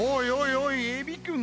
おいエビくん